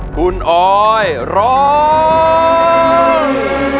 คุณออยร้อง